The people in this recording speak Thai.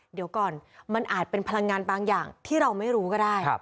เดี๋ยวก่อนมันอาจเป็นพลังงานบางอย่างที่เราไม่รู้ก็ได้